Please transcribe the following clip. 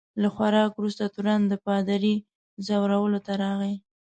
له خوراک وروسته تورن د پادري ځورولو ته راغی.